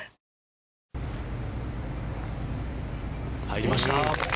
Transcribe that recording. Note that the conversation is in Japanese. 入りました。